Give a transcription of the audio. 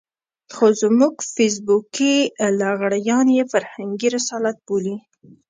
خو زموږ فېسبوکي لغړيان يې فرهنګي رسالت بولي.